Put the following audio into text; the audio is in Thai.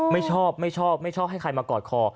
ไม่ชอบให้ใครมากอดคอ